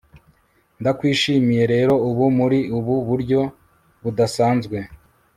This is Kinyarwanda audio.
ndakwishimiye rero ubu, muri ubu buryo budasanzwe